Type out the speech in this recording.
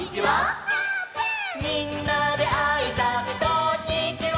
「みんなであいさつこんにちは」